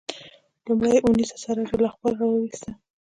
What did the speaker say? لومړۍ اونیزه سراج الاخبار راوویسته.